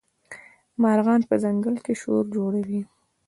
مارغان په ځنګل کي شور جوړوي.